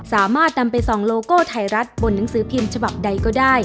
สามารถนำไปส่องโลโก้ไทยรัฐบนหนังสือพิมพ์ฉบับใดก็ได้